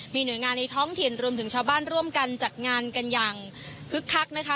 มีหน่วยงานในท้องถิ่นรวมถึงชาวบ้านร่วมกันจัดงานกันอย่างคึกคักนะคะ